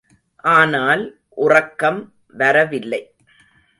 ஆனால் உறக்கம் வரவில்லை.